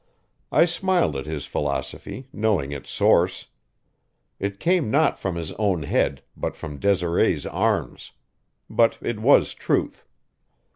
I smiled at his philosophy, knowing its source. It came not from his own head, but from Desiree's arms. But it was truth.